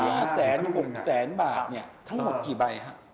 เหลือหาแสนบาททั้งหมดกี่ใบครับ